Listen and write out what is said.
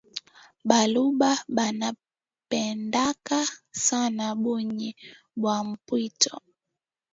Baluba bana pendaka sana buyi bwa mpwiti